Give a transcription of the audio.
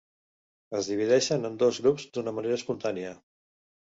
Es divideixen en dos grups d'una manera espontània.